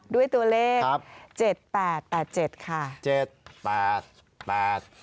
ด้วยตัวเลข๗๘๘๗ค่ะ